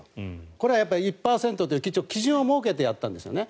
これは１％という基準を設けてやったんですね。